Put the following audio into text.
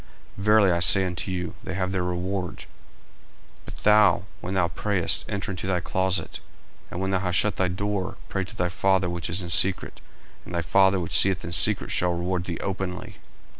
Verily I say unto you, They have their reward. 40:006:006 But thou, when thou prayest, enter into thy closet, and when thou hast shut thy door, pray to thy Father which is in secret; and thy Father which seeth in secret shall reward thee openly.